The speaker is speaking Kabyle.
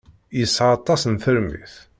Yesɛa aṭas n tarmit.